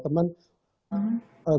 saya bilang ke teman